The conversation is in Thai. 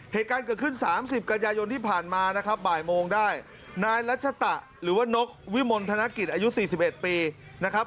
เหตุการณ์เกิดขึ้นสามสิบกันยายนที่ผ่านมานะครับบ่ายโมงได้นายรัชตะหรือว่านกวิมลธนกิจอายุสี่สิบเอ็ดปีนะครับ